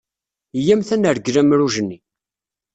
Iyyamt ad nergel amruj-nni.